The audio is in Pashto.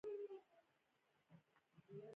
پوخ سړی تل حوصله لري